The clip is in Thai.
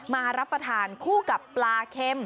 มารับประทานคู่กับปลาเค็ม